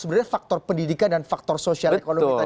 sebenarnya faktor pendidikan dan faktor sosial ekonomi tadi